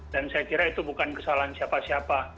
dan saya kira itu bukan kesalahan siapa siapa